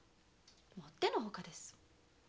もってのほかです。